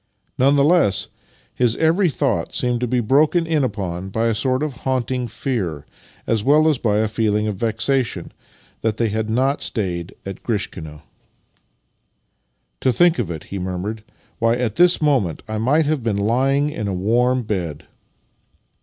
None the less, his every thought seemed to be broken in upon by a sort of haunting fear, as well as by a feeling of vexation that they had not stayed at Grishkino. " To think of it! " he murmured. " 'Way, at this moment I might have been lying in a warm bed!